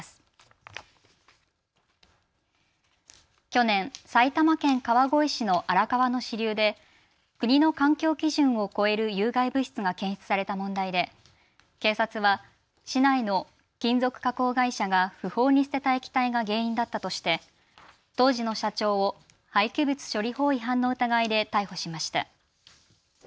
去年、埼玉県川越市の荒川の支流で国の環境基準を超える有害物質が検出された問題で警察は市内の金属加工会社が不法に捨てた液体が原因だったとして当時の社長を廃棄物処理法違反の疑いで逮捕しました。